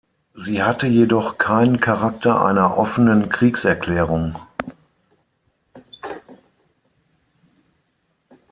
Sie hatte jedoch keinen Charakter einer offenen Kriegserklärung.